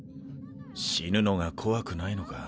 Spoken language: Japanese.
死ぬのが怖くないのか？